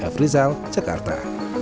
f rizal jakarta